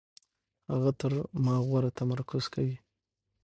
هغه تر ما غوره تمرکز کوي.